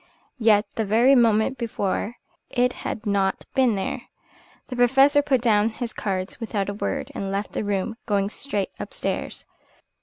Yet the very moment before it had not been there. The Professor put down his cards without a word, and left the room, going straight upstairs.